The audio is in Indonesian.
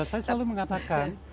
saya selalu mengatakan